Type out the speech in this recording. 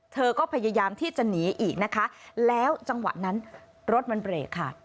เธอก็พยายามที่จะหนีอีกนะคะแล้วจังหวะนั้นรถมันเบรกค่ะ